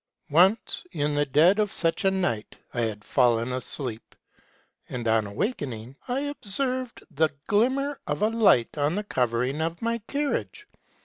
Once, in the dead of such a night, I had fallen asleep ; and on awakening I observed the glimmer of a light on the covering of my carriage.